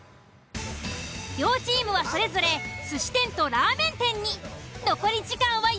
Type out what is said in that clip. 両チームはそれぞれ寿司店とラーメン店に。